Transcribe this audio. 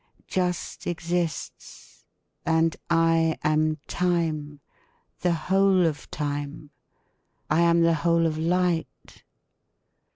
Just exists and I am time, the whole of time. I am the whole of light.